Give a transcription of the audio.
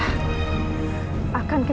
akan kejadian mereka